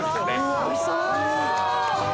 おいしそう。